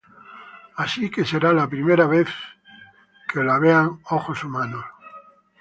Así que será la primera vez que hayan sido vistas por un ojo humano.